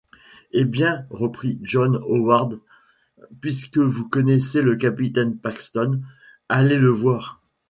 Eh bien, reprit John Howard, puisque vous connaissez le capitaine Paxton, allez le voir…